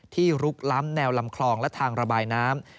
ลุกล้ำแนวลำคลองและทางระบายน้ำ